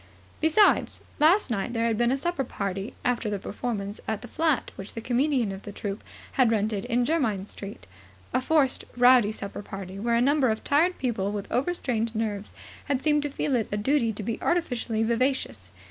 Besides, last night there had been a supper party after the performance at the flat which the comedian of the troupe had rented in Jermyn Street, a forced, rowdy supper party where a number of tired people with over strained nerves had seemed to feel it a duty to be artificially vivacious.